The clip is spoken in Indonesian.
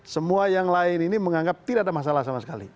semua yang lain ini menganggap tidak ada masalah sama sekali